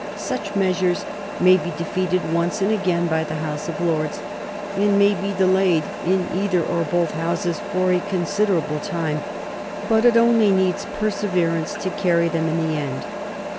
Such measures may be defeated once and again by the House of Lords, and may be delayed in either or both Houses for a considerable time; but it only needs perseverance to carry them in the end.